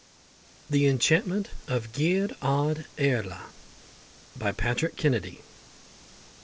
_] THE ENCHANTMENT OF GEAROIDH IARLA. BY PATRICK KENNEDY.